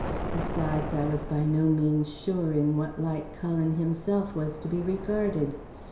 Besides I was by no means sure in what light Cullen himself was to be regarded.